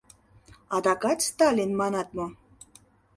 — Адакат Сталин, манат мо?